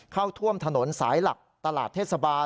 เข้าท่วมถนนสายหลักตลาดเทศบาล